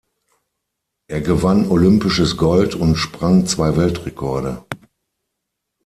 Er gewann olympisches Gold und sprang zwei Weltrekorde.